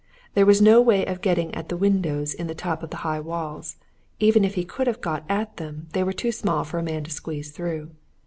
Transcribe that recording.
There was no way of getting at the windows in the top of the high walls: even if he could have got at them they were too small for a man to squeeze through.